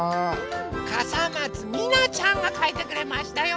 かさまつみなちゃんがかいてくれましたよ。